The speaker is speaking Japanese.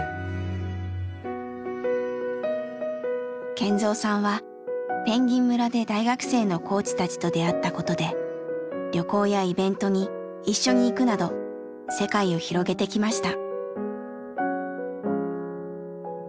健三さんはぺんぎん村で大学生のコーチたちと出会ったことで旅行やイベントに一緒に行くなど世界を広げてきました。